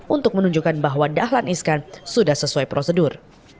untuk menunjukkan bahwa dahlan iskan sudah sesuai prosedur